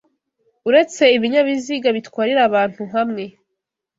uretse ibinyabiziga bitwarira abantu hamwe